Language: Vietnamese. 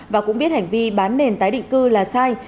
và cũng biết hành vi bán nền tái định cư là sai